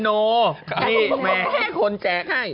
เน่นอแม่แม่ให้คนแจล์ไห้